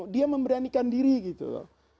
dia memberanikan diri gitu loh